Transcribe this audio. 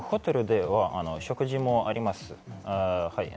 ホテルでは食事もあります。